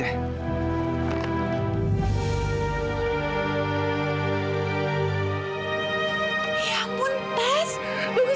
ya ampun tes